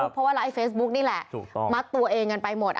เพราะว่าไลฟ์เฟซบุ๊กนี่แหละมักตัวเองกันไปหมด